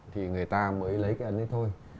thì người ta mới lấy cái ấn ấy thôi